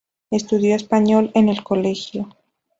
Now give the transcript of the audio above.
Estudió español en el colegio.